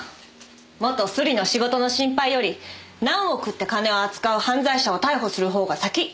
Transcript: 元スリの仕事の心配より何億って金を扱う犯罪者を逮捕するほうが先。